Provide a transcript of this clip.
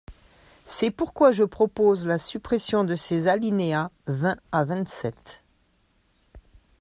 C’est pourquoi je propose la suppression de ces alinéas vingt à vingt-sept.